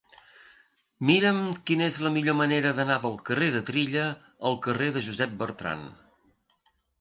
Mira'm quina és la millor manera d'anar del carrer de Trilla al carrer de Josep Bertrand.